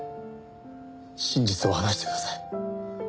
真実を話してください。